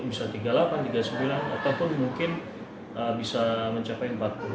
bisa tiga puluh delapan tiga puluh sembilan ataupun mungkin bisa mencapai empat puluh